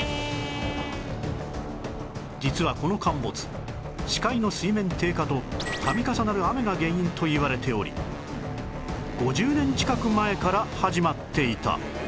実はこの陥没死海の水面低下と度重なる雨が原因といわれており５０年近く前から始まっていた